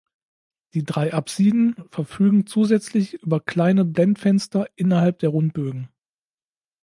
Die drei Apsiden verfügen zusätzlich über kleine Blendfenster innerhalb der Rundbögen.